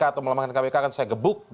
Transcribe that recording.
atau melemahkan kpk akan saya gebuk